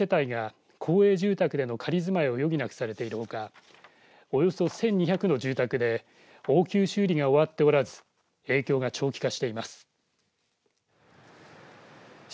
静岡市を中心に浸水などの被害が相次ぎ今も４０世帯が公営住宅での仮住まいを余儀なくされているほかおよそ１２００の住宅で応急修理が終わっておらず影響が長期化しています。